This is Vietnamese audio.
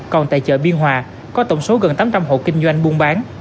còn tại chợ biên hòa có tổng số gần tám trăm linh hộ kinh doanh buôn bán